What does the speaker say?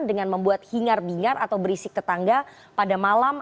dengan membuat hingar bingar atau berisik tetangga pada malam